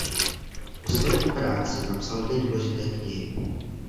O své práci napsal dvě důležité knihy.